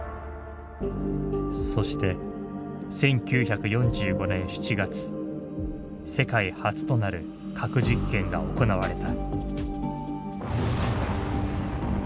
そして１９４５年７月世界初となる核実験が行われた。